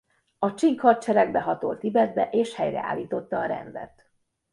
A csing hadsereg behatolt Tibetbe és helyreállította a rendet.